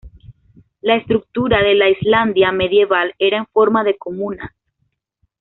La estructura de la Islandia medieval era en forma de comunas.